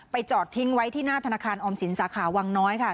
จอดทิ้งไว้ที่หน้าธนาคารออมสินสาขาวังน้อยค่ะ